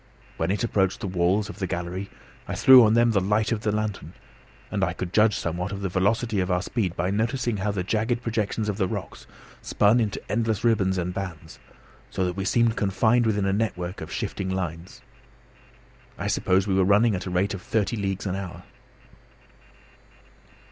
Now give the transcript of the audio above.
When it approached the walls of the gallery I threw on them the light of the lantern, and I could judge somewhat of the velocity of our speed by noticing how the jagged projections of the rocks spun into endless ribbons and bands, so that we seemed confined within a network of shifting lines. I supposed we were running at the rate of thirty leagues an hour.